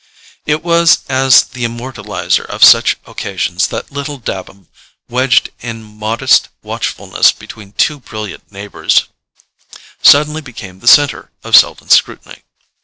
It was as the immortalizer of such occasions that little Dabham, wedged in modest watchfulness between two brilliant neighbours, suddenly became the centre of Selden's scrutiny.